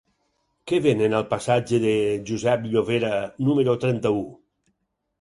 Què venen al passatge de Josep Llovera número trenta-u?